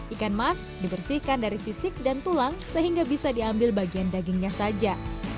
ikan mas dibersihkan dari sisik dan tulang sehingga bisa diambil bagian dagingnya saja